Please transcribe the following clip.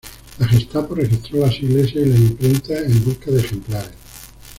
La Gestapo registró las iglesias y las imprentas en busca de ejemplares.